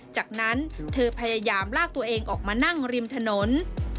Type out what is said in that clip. จากนั้นเธอพยายามลากตัวเองออกมานั่งริมถนน